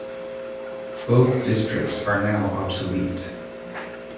Both districts are now obsolete.